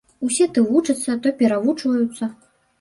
Усе то вучацца, то перавучваюцца.